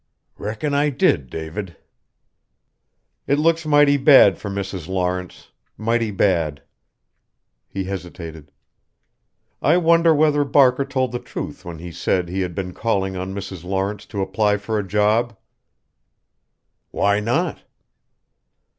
"Reckon I did, David." "It looks mighty bad for Mrs. Lawrence mighty bad." He hesitated. "I wonder whether Barker told the truth when he said he had been calling on Mrs. Lawrence to apply for a job?" "Why not?"